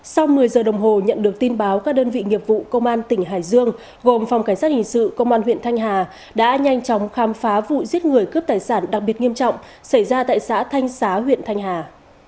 sau một mươi giờ đồng hồ nhận được tin báo các đơn vị nghiệp vụ công an tỉnh hải dương gồm phòng cảnh sát hình sự công an huyện thanh hà đã nhanh chóng khám phá vụ giết người cướp tài sản đặc biệt nghiêm trọng xảy ra tại xã thanh xá huyện thanh hà